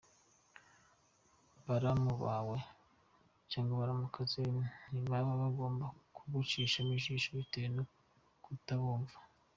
Baramu bawe cyangwa baramukazi ntibaba bagomba kugucishamo ijisho bitewe no kutabumva.